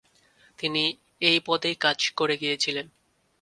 তিনি এই পদেই কাজ করে গিয়েছিলেন।